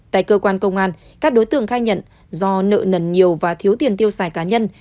tại cơ quan công an các đối tượng khai nhận do nợ nần nhiều và thiếu tiền tiêu xài cá nhân